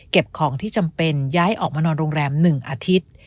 ของที่จำเป็นย้ายออกมานอนโรงแรม๑อาทิตย์